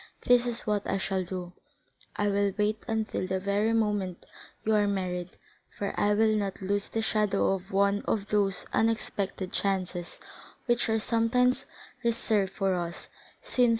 This is what I shall do; I will wait until the very moment you are married, for I will not lose the shadow of one of those unexpected chances which are sometimes reserved for us, since M.